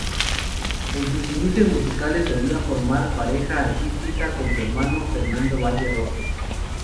En sus inicios musicales solía formar pareja artística con su hermano, Fernando Valle Roso.